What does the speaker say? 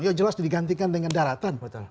dia jelas digantikan dengan daratan